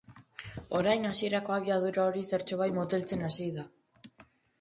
Orain, hasierako abiadura hori zertxobait moteltzen hasi da.